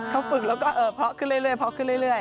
เค้าฝึกแล้วก็เพราะขึ้นเรื่อย